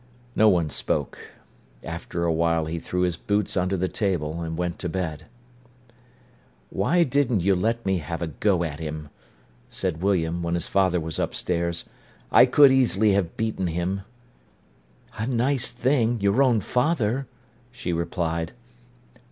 No one spoke. After a while he threw his boots under the table and went to bed. "Why didn't you let me have a go at him?" said William, when his father was upstairs. "I could easily have beaten him." "A nice thing—your own father," she replied.